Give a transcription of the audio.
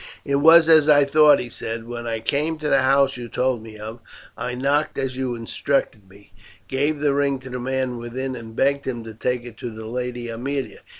"It was as I thought," he said. "When I came to the house you told me of, I knocked as you instructed me, gave the ring to the man within and begged him to take it to the Lady Aemilia.